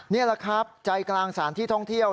นี่แหละครับใจกลางสถานที่ท่องเที่ยว